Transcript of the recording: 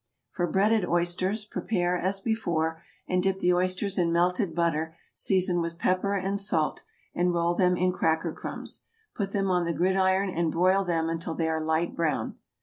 For breaded oysters, prepare as before, and dip the oysters in melted butter seasoned with pepper and salt, and roll them in cracker crumbs. Put them on the gridiron and broil them until they are light brown.